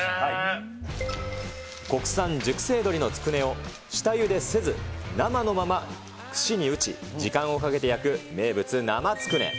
国産熟成鶏のつくねを、下ゆでせず、生のまま串に打ち、時間をかけて焼く名物、生つくね。